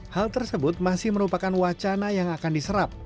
hal tersebut masih merupakan wacana yang akan diserap